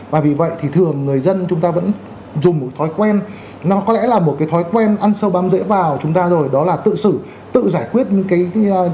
và vì vậy thì thường người dân chúng ta vẫn dùng một thói quen nó có lẽ là một cái thói quen ăn sâu bám dễ vào chúng ta rồi đó là tự xử tự giải quyết những cái